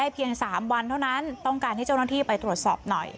เปิดเถอะครับ